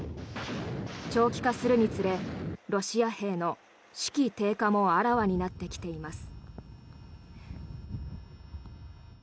長期化するにつれロシア兵の士気低下もあらわになってきています。